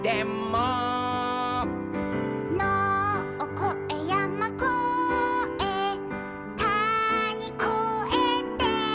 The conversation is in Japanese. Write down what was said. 「のをこえやまこえたにこえて」